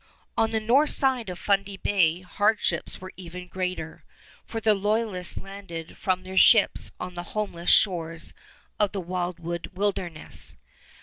On the north side of Fundy Bay hardships were even greater, for the Loyalists landed from their ships on the homeless shores of the wildwood wilderness.